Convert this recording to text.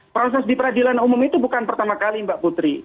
proses di peradilan umum itu bukan pertama kali mbak putri